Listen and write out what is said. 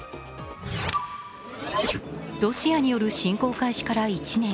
ロシアによる侵攻開始から１年。